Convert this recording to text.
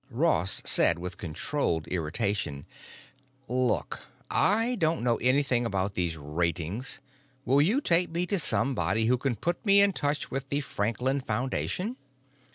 Ross said with controlled irritation, "Look, I don't know anything about these ratings. Will you take me to somebody who can put me in touch with the Franklin Foundation?"